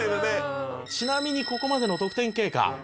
ちなみにここまでの得点経過。